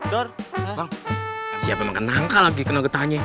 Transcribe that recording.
dor bang siapa yang makan nangka lagi kena getahnya